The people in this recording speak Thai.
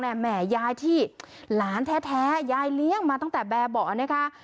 หลานแท้แม่ยายที่หลานแท้แท้ยายเลี้ยงมาตั้งแต่แบบเบาะนี่คะ